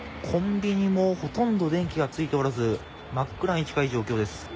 コンビニもほとんど電気がついておらず真っ暗に近い状況です。